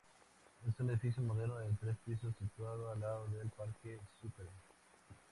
Es un edificio moderno de tres pisos, situado al lado del Parque Sucre.